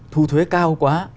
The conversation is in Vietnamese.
thu thuế cao quá